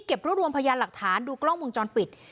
รวบรวมพยานหลักฐานดูกล้องวงจรปิด